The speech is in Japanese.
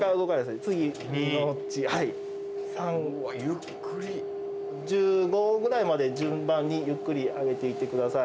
次２ノッチ３。１５ぐらいまで順番にゆっくり上げていって下さい。